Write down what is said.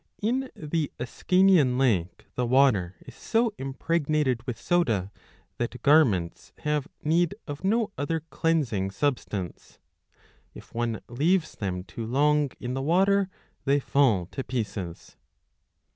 In the Ascanian lake the water is so impregnated with 53 soda that garments have need of no other cleansing sub stance ; if one leaves them too long in the water they fall to pieces.